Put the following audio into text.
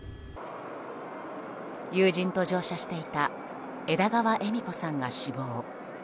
友人と乗車していた枝川恵美子さんが死亡。